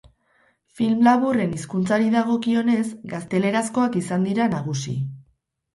Film laburren hizkuntzari dagokionez, gaztelerazkoak izan dira nagusi.